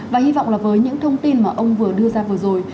và hy vọng là với những thông tin mà ông vừa đưa ra vừa rồi